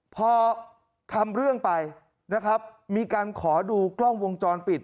พอทำเรื่องไปนะครับมีการขอดูกล้องวงจรปิด